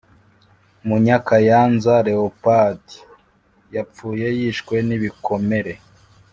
Munyakayanza Leopold yapfuye yishwe nibikomere